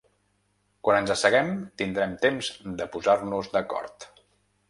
Quan ens asseguem tindrem temps de posar-nos d’acord.